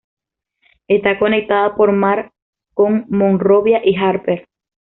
Está conectada por mar con Monrovia y Harper.